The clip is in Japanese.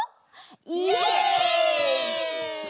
イエイ！